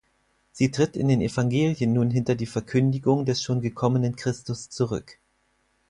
Sie tritt in den Evangelien nun hinter die Verkündigung des schon gekommenen Christus zurück.